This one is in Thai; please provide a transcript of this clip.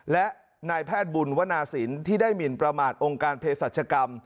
และนายแพทย์บุญวนาศิลป์ที่ได้หมินประมาทองค์การเพศรัชกรรม